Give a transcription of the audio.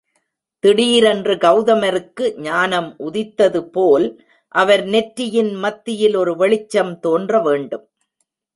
திடீரென்று கௌதமருக்கு ஞானம் உதித்தது போல் அவர் நெற்றியின் மத்தியில் ஒரு வெளிச்சம் தோன்றவேண்டும்.